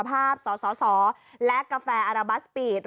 และกาแฟอาราบาสสปีดการสร้องประสานกัน